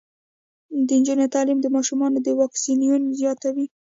د نجونو تعلیم د ماشومانو واکسیناسیون زیاتوي.